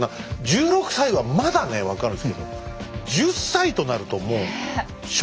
１６歳はまだね分かるんですけど１０歳となるともう。